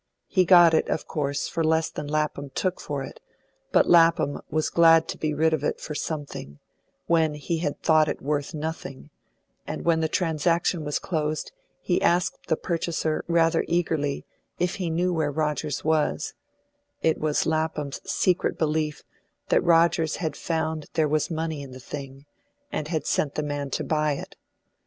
He got it, of course, for less than Lapham took it for, but Lapham was glad to be rid of it for something, when he had thought it worth nothing; and when the transaction was closed, he asked the purchaser rather eagerly if he knew where Rogers was; it was Lapham's secret belief that Rogers had found there was money in the thing, and had sent the man to buy it.